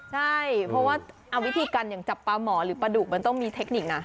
ใช่เพราะว่าวิธีการอย่างจับปลาหมอหรือปลาดุกมันต้องมีเทคนิคนะ